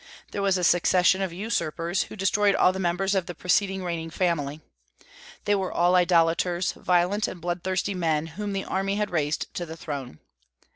There was a succession of usurpers, who destroyed all the members of the preceding reigning family. They were all idolaters, violent and bloodthirsty men, whom the army had raised to the throne.